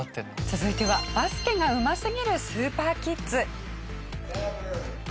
続いてはバスケがうますぎるスーパーキッズ。